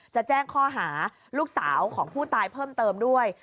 จะแจ้งข้อหาลูกสาวของผู้ตายเพิ่มเติมด้วย